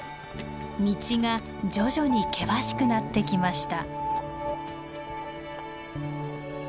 道が徐々に険しくなってきました。